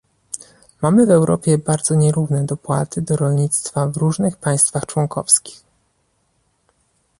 Mamy w Europie bardzo nierówne dopłaty do rolnictwa w różnych państwach członkowskich